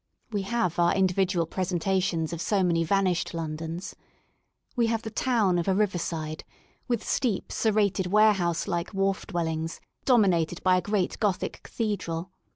We have our individual presenta tions of so many vanished Londons, We have the town of a riverside, with steep, serrated warehouse Hke wharf dwellings, dominated by a great Gothic cathedral.